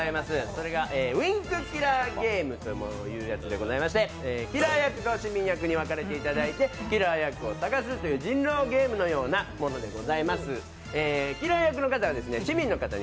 それが、ウインクキラーゲームというものでございましてキラー役と市民役に分かれていただきましてキラー役を探す人狼ゲームのようなものです。